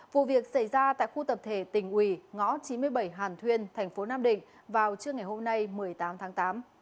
vụ việc xảy ra tại khu tập thể tỉnh ủy ngõ chín mươi bảy hàn thuyên thành phố nam định vào trưa ngày hôm nay một mươi tám tháng tám